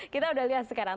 kita sudah lihat sekarang